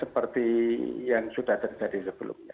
seperti yang sudah terjadi sebelumnya